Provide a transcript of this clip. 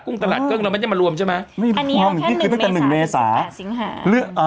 กุ้งตลาดเกิงเราไม่ได้มารวมใช่ไหมอันนี้แค่หนึ่งเมษาหนึ่งสิบแปดสิ้งหา